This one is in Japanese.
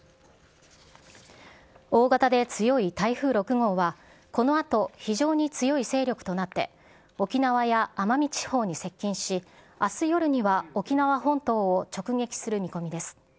大型で強い台風６号は、このあと非常に強い勢力となって、沖縄や奄美地方に接近し、あす夜には沖縄本島を直撃する見込みです。